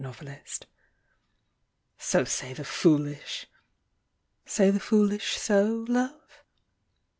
POETICS "So say the foolish!" Say the foolish so, Love?